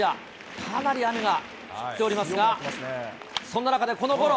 かなり雨が降っておりますが、そんな中で、このゴロ。